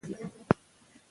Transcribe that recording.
اصلاح فساد له منځه وړي.